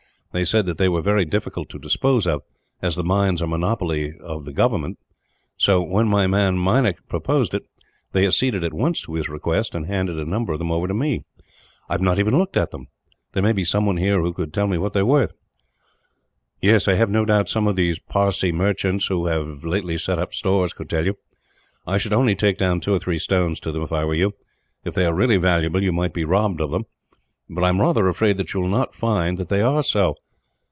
They said that they were very difficult to dispose of, as the mines are monopolies of government so, when my man Meinik proposed it, they acceded at once to his request, and handed a number of them over to me. "I have not even looked at them. There may be someone, here, who could tell me what they are worth." "Yes, I have no doubt some of those Parsee merchants, who have lately set up stores, could tell you. I should only take down two or three stones to them, if I were you. If they are really valuable, you might be robbed of them; but I am rather afraid that you will not find that they are so.